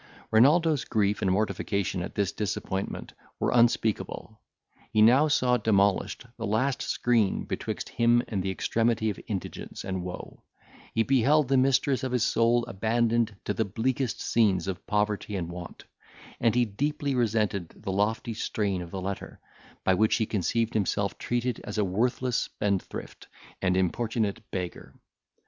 Renaldo's grief and mortification at this disappointment were unspeakable. He now saw demolished the last screen betwixt him and the extremity of indigence and woe; he beheld the mistress of his soul abandoned to the bleakest scenes of poverty and want; and he deeply resented the lofty strain of the letter, by which he conceived himself treated as a worthless spendthrift and importunate beggar.